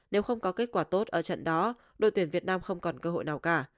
nếu không có kết quả tốt ở trận đó đội tuyển việt nam không còn cơ hội nào cả